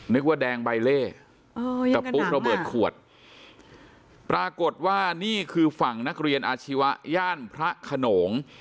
นึกว่าแดงใบเล่กับปุ๊กระเบิดขวดปรากฏว่านี่คือฝั่งนักเรียนอาชีวะย่านพระขนง